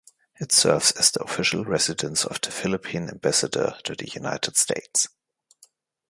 It serves as the official residence of the Philippine ambassador to the United States.